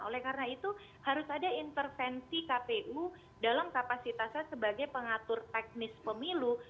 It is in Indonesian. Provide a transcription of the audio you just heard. oleh karena itu harus ada intervensi kpu dalam kapasitasnya sebagai pengatur teknis pemilu